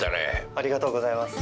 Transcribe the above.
ありがとうございます。